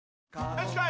よしこい！